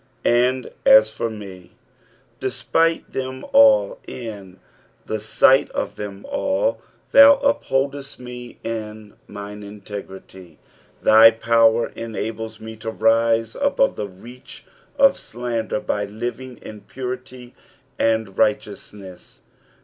"And ai for me," despite them ali and in the sight of them ail, " thou vpholdeft me in mine inttgrUy ;" thy power enables me to rise above the reach of slander by living in purity and righteousness.